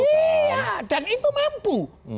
iya dan itu mampu